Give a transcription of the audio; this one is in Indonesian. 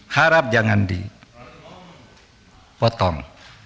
harap jangan dipotong